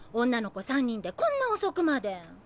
女の子３人でこんな遅くまで！